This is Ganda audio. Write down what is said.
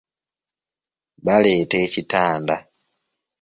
Baleeta ekitanda.